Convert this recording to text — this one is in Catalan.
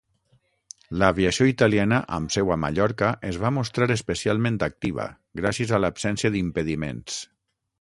L'aviació italiana, amb seu a Mallorca, es va mostrar especialment activa, gràcies a l'absència d'impediments.